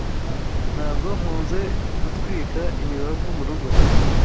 Ntabwo nkunze gutwika imibavu murugo.